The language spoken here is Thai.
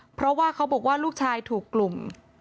เพราะว่าเขาบอกว่าลูกชายถูกกลุ่ม